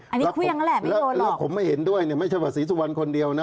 อันนี้เครื่องนั่นแหละไม่โยนหรอกแล้วผมไม่เห็นด้วยเนี่ยไม่เฉพาะศรีสุวรรณคนเดียวนะ